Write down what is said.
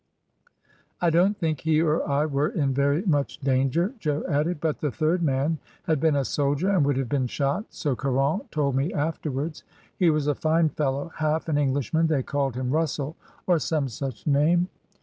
I don't think he or I were in very much danger," Jo added, "but the third man had been a soldier, and would have been shot, so Caron told me afterwards. He was a fine fellow — half an Englishman; they called him Russell, or some such name."